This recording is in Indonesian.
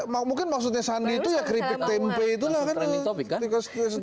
mungkin maksudnya sandi itu ya keripik tempe itulah kan ini